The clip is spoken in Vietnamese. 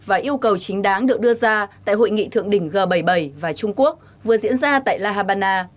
và yêu cầu chính đáng được đưa ra tại hội nghị thượng đỉnh g bảy mươi bảy và trung quốc vừa diễn ra tại la habana